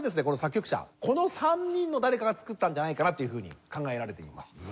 この作曲者この３人の誰かが作ったんじゃないかなというふうに考えられています。